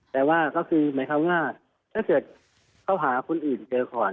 แต่ว่าก็คือหมายความว่าถ้าเกิดเขาหาคนอื่นเจอก่อน